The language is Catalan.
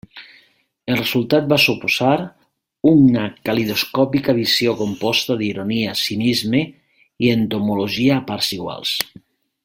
El resultat va suposar una calidoscòpica visió composta d’ironia, cinisme i entomologia a parts iguals.